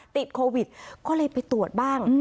ติดโควิดก็เลยไปตรวจบ้าง